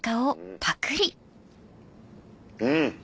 うん！